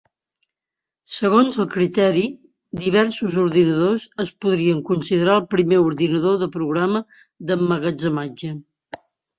Segons el criteri, diversos ordinadors es podrien considerar el primer ordinador de programa d'emmagatzematge.